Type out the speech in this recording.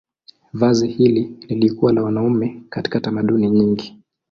Vazi hili lilikuwa la wanaume katika tamaduni nyingi.